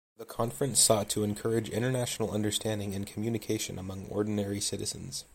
The conference sought to encourage international understanding and communication among ordinary citizens.